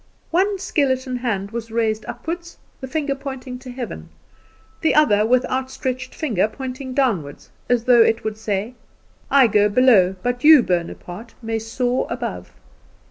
One skeleton hand was raised upward, the finger pointing to heaven; the other, with outstretched finger, pointing downward, as though it would say, 'I go below, but you, Bonaparte, may soar above.